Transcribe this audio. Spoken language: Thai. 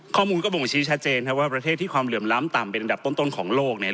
ข้อมูลก็บ่งชี้ชัดเจนครับว่าประเทศที่ความเหลื่อมล้ำต่ำเป็นอันดับต้นของโลกเนี่ย